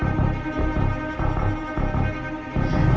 lagian lo kenapa aneh banget sih ki